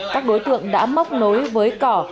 các đối tượng đã móc nối với cỏ